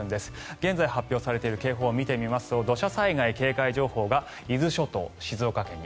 現在発表されている警報を見てみますと土砂災害警戒情報が伊豆諸島、静岡県に。